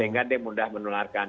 sehingga dia mudah menolakkan